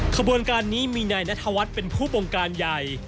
ขบวนการนี้มีนายนัทวัฒน์เป็นผู้ปงการใหญ่